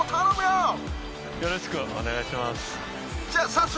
よろしくお願いします。